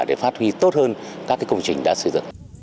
để phát huy tốt hơn các công trình đã xây dựng